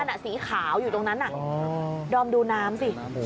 นั้นน่ะสีขาวอยู่ตรงนั้นน่ะดอมดูน้ำสิ